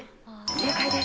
正解です。